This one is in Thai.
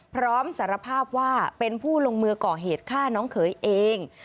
พร้อมสารภาพว่าเป็นผู้ลงมือก่อเหตุฆ่าน้องเขยเอง